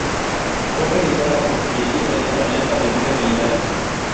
Fue realizada con sillería caliza blanca de buena calidad.